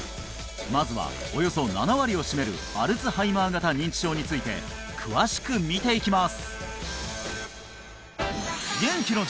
まずはおよそ７割を占めるアルツハイマー型認知症について詳しく見ていきます